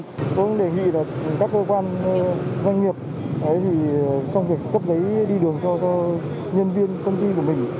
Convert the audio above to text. tôi cũng đề nghị là các cơ quan doanh nghiệp ấy thì trong việc cấp giấy đi đường cho nhân viên công ty của mình